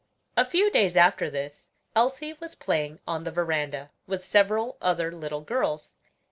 A few days after this, Elsie was playing on the veranda, with several other little girls.